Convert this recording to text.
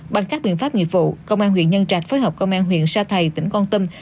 bằng các biện pháp nghiệp vụ công an huyện nhân trạch phối hợp công an huyện sa thầy tỉnh con tâm